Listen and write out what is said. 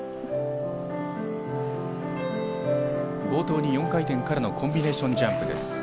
冒頭に４回転からのコンビネーションジャンプです。